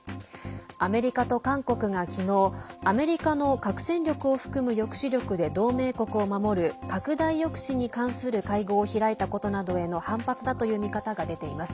アメリカと韓国が昨日アメリカの核戦力を含む抑止力で同盟国を守る拡大抑止に関する会合を開いたことなどへの反発だという見方が出ています。